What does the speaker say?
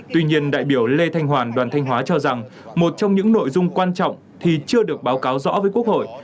tuy nhiên đại biểu lê thanh hoàn đoàn thanh hóa cho rằng một trong những nội dung quan trọng thì chưa được báo cáo rõ với quốc hội